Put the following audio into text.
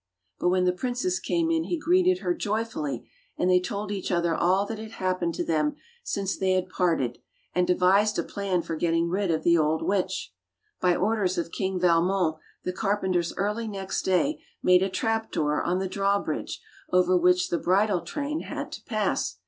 But when the princess came in he greeted her joyfully, and they told each other all that had happened to them since they had parted, and devised a plan for getting rid of the old witch. By orders of King Valmon the carpenters early next day made a trap door on the drawbridge over which the bridal train had to pass.